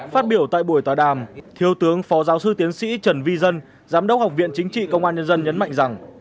phát biểu tại buổi tòa đàm thiếu tướng phó giáo sư tiến sĩ trần vi dân giám đốc học viện chính trị công an nhân dân nhấn mạnh rằng